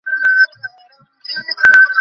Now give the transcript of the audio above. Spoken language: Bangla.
করাচ্ছি, করাচ্ছি।